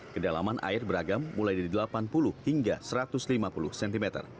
kedalaman air beragam mulai dari delapan puluh hingga satu ratus lima puluh cm